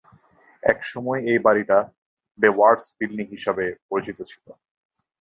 এক সময় এই বাড়িটা বেওয়্যার্স বিল্ডিং হিসেবে পরিচিত ছিল।